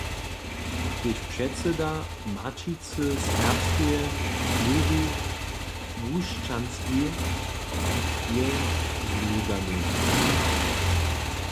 Tež předsyda Maćicy Serbskeje Jurij Łušćanski je zludany.